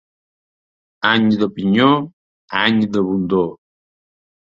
Any de pinyó, any d'abundor.